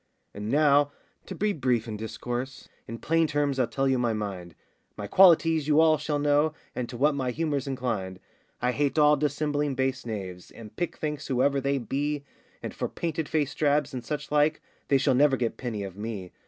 And now, to be brief in discourse, In plain terms I'll tell you my mind; My qualities you shall all know, And to what my humour's inclined: I hate all dissembling base knaves And pickthanks whoever they be, And for painted faced drabs, and such like, They shall never get penny of me.